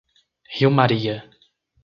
Rio Maria